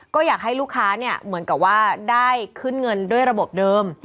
ก็อยากให้ลูกค้าเหมือนกับว่าได้ขึ้นเงินด้วยระบบเดิม